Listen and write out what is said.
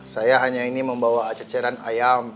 saya hanya ini membawa ceceran ayam